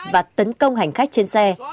và tấn công hành khách trên xe